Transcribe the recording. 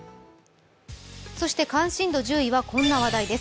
そして関心度１０位はこんな話題です。